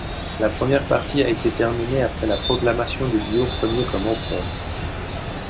La première partie a été terminée après la proclamation de Guillaume I comme empereur.